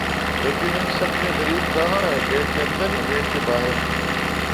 لیکن ان سب میں غریب کہاں ہے گیٹ کے اندر یا گیٹ کے باہر